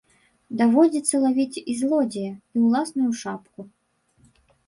Даводзіцца лавіць і злодзея, і ўласную шапку.